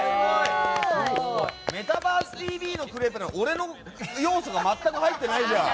「メタバースＴＶ！！」のクレープなのに俺の要素が全く入ってないじゃん！